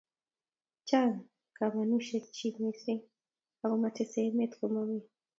Chang kamanushek chik mising ak matesetai emet komomi